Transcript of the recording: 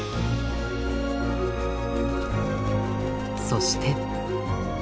そして。